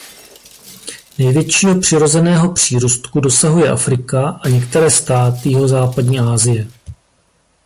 Největšího přirozeného přírůstku dosahuje Afrika a některé státy jihozápadní Asie.